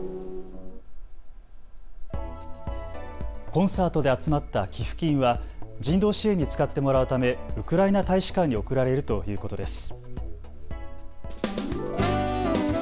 コンサートで集まった寄付金は人道支援に使ってもらうためウクライナ大使館に送られるということです。